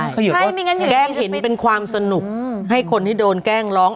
ใช่มีงั้นเหนือนงี้แกล้งเห็นเป็นความสนุกให้คนที่โดนแกล้งร้อง